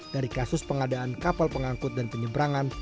dari kasus pengadaan kapal pengangkut dan penyeberangan